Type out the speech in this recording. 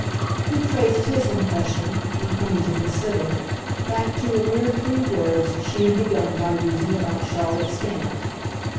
He traced his impression, on coming to consider, back to a mere three words she had begun by using about Charlotte Stant.